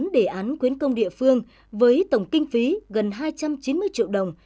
bốn đề án khuyến công địa phương với tổng kinh phí gần hai trăm chín mươi triệu đồng